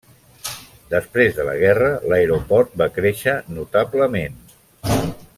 Després de la guerra, l'aeroport va créixer notablement.